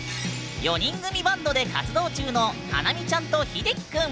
４人組バンドで活動中のはなみちゃんとひできくん。